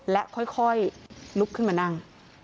และค่อยลุกขึ้นมานั่ง